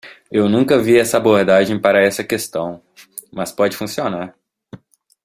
Eu nunca vi essa abordagem para essa questão?, mas pode funcionar.